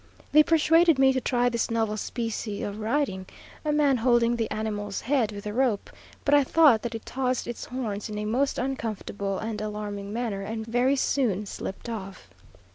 They persuaded me to try this novel species of riding, a man holding the animal's head with a rope; but I thought that it tossed its horns in a most uncomfortable and alarming manner, and very soon slipped off.